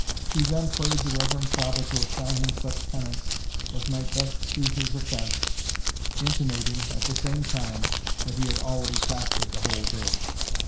He then prayed the reverend Father to assign him such penance as might best suit his offence, intimating, at the same time, that he had already fasted the whole day.